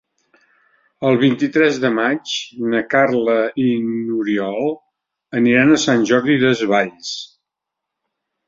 El vint-i-tres de maig na Carla i n'Oriol aniran a Sant Jordi Desvalls.